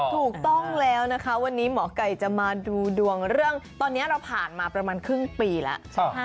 ถูกต้องแล้วนะคะวันนี้หมอไก่จะมาดูดวงเรื่องตอนนี้เราผ่านมาประมาณครึ่งปีแล้ว